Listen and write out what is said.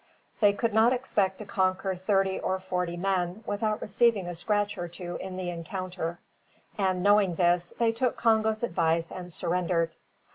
They could not expect to conquer thirty or forty men, without receiving a scratch or two in the encounter; and knowing this, they took Congo's advice and surrendered.